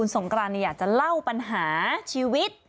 สงกรานอยากจะเล่าปัญหาชีวิต